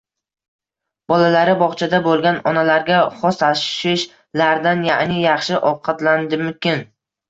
Bolalari bog‘chada bo‘lgan onalarga xos tashvish-lardan, ya’ni “Yaxshi ovqatlandimikin?”